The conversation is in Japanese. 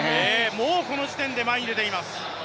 もうこの時点で前に出ています。